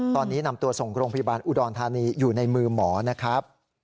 ตอนนี้นำตัวส่งโรงพยาบาลอุดรธานีอยู่ในมือหมอนะครับ